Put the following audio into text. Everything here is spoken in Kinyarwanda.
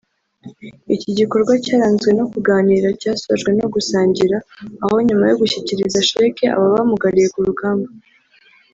Iki gikorwa cyaranzwe no kuganira cyasojwe no gusangira aho nyuma yo gushyikiriza sheke aba bamugariye ku rugamba